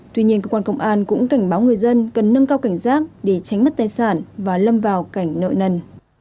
tuy nhiên cơ quan công an cũng cảnh báo người dân cần nâng cao cảnh giác để tránh mất tài sản và lâm vào cảnh nợ nần